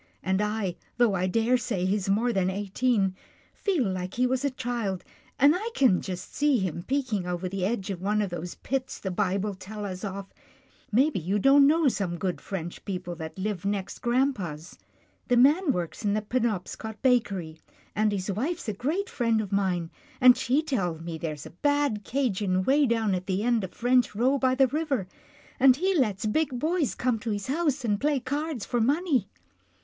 And I, though I daresay he's more than eighteen, feel like he was a child, and I can just see him peeking over the edge of one of those pits the Bible tells us of — Maybe you don't know some good French people that live next grampa's. The man works in the Penobscot Ba kery, and his wife's a great friend of mine, and she tells me there's a bad 'Cajien way down at the end of French Row by the river, and he lets big boys come to his house and play cards for money." Mr.